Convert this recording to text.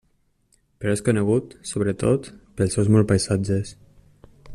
Però és conegut, sobretot, pels seus molts paisatges.